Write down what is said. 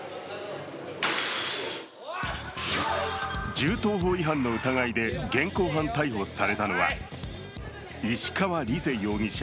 銃刀法違反の疑いで現行犯逮捕されたのは石川莉世容疑者